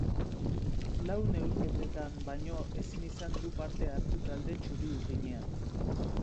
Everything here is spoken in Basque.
Lau neurketatan baino ezin izan du parte hartu talde txuri-urdinean.